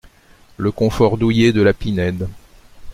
le confort douillet de la Pinède.